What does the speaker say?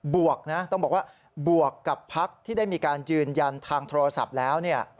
วกนะต้องบอกว่าบวกกับพักที่ได้มีการยืนยันทางโทรศัพท์แล้วเนี่ย